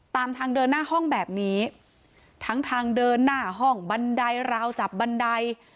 ตามทางเดินหน้าห้องแบบนี้ทั้งทางเดินหน้าห้องบันไดราวจับบันได